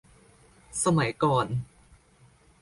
สมัยก่อน